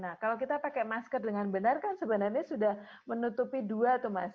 nah kalau kita pakai masker dengan benar kan sebenarnya sudah menutupi dua tuh mas